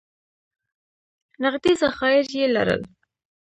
نغدي ذخایر یې لرل.